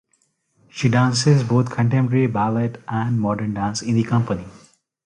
She dances both contemporary ballet and modern dance in the company.